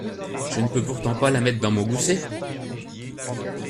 Je ne peux pourtant pas la mettre dans mon gousset !…